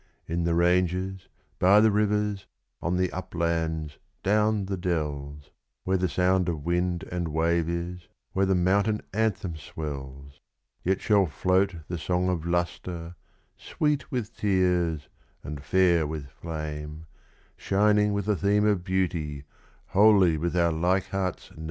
In the ranges, by the rivers, on the uplands, down the dells, Where the sound of wind and wave is, where the mountain anthem swells, Yet shall float the song of lustre, sweet with tears and fair with flame, Shining with a theme of beauty, holy with our Leichhardt's name!